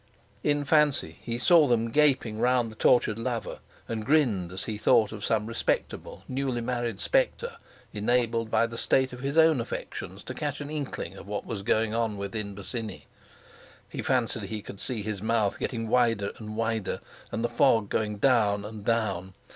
In fancy he saw them gaping round the tortured lover; and grinned as he thought of some respectable, newly married spectre enabled by the state of his own affections to catch an inkling of what was going on within Bosinney; he fancied he could see his mouth getting wider and wider, and the fog going down and down.